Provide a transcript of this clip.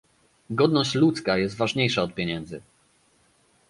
Godność ludzka jest ważniejsza od pieniędzy